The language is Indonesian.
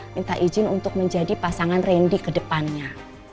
minta izin untuk menjadi pasangan randy kedepannya